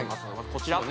こちら・